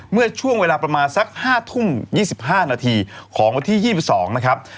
เมื่อช่วงเวลาประมาณสัก๕ทุ่ม๒๕นาทีของวันที่๒๒นะครับ